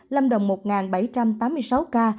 lâm đồng một bảy trăm tám mươi sáu ca